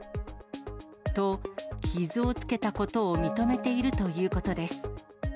と、傷をつけたことを認めているということです。